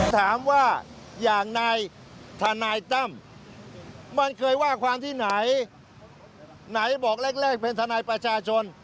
ถามว่าอย่างนายทนายตั้มมันเคยว่าความที่ไหนไหนบอกแรกเป็นทนายประชาชน